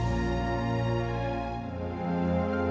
aku tak tahu kenapa